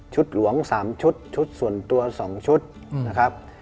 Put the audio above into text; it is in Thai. หลวง๓ชุดชุดส่วนตัว๒ชุดนะครับ